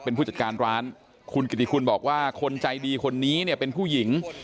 เป็นผู้จัดการร้านคุณกิติคุณบอกว่าคนใจดีคนนี้เนี่ยเป็นผู้หญิง